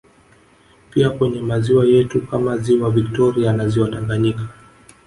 Pia kwenye maziwa yetu kama Ziwa viktoria na ziwa Tanganyika